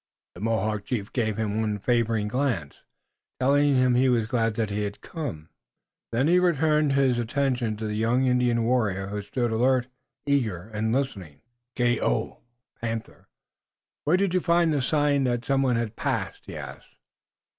The Mohawk chief gave him one favoring glance, telling him he was glad that he had come. Then he returned his attention to a young Indian warrior who stood alert, eager and listening. "Haace (Panther), where did you find the sign that someone had passed?" he asked.